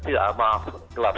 tidak maaf gelap